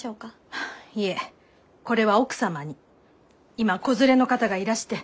今子連れの方がいらして。